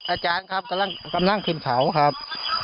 อาจารย์ครับกำลังขึ้นเขาครับ